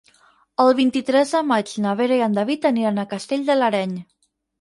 El vint-i-tres de maig na Vera i en David aniran a Castell de l'Areny.